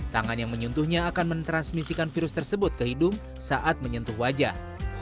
tangan yang menyentuhnya akan mentransmisikan virus tersebut ke hidung saat menyentuh wajah